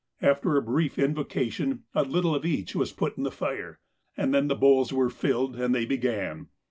After a brief invocation a little of each was put in the fire, and then the bowls were filled and they began.